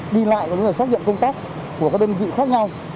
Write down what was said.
đi lại và xác nhận công tác của các đơn vị khác nhau